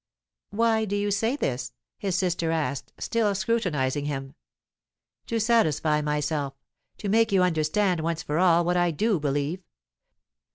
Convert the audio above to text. "Why do you say this?" his sister asked, still scrutinizing him. "To satisfy myself; to make you understand once for all what I do believe.